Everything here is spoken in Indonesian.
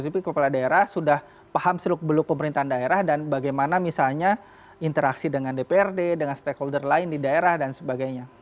tapi kepala daerah sudah paham seruk beluk pemerintahan daerah dan bagaimana misalnya interaksi dengan dprd dengan stakeholder lain di daerah dan sebagainya